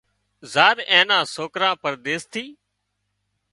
زار اين نا سوڪرا پرديس ٿي